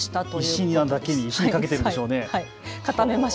石だけに意志にかけているんでしょうね。